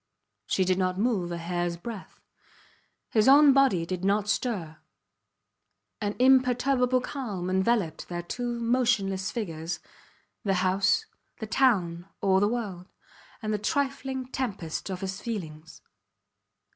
She did not move a hairs breadth; his own body did not stir. An imperturbable calm enveloped their two motionless figures, the house, the town, all the world and the trifling tempest of his feelings.